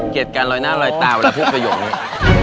เกลียดการลอยหน้าลอยตาเวลาพูดประโยชน์นี้